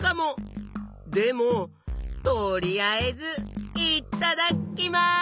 でもとりあえずいっただきます！